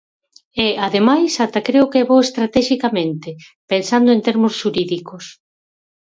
E, ademais, ata creo que é bo estratexicamente, pensando en termos xurídicos.